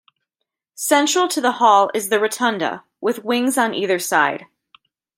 Central to the Hall is the Rotunda, with wings on either side.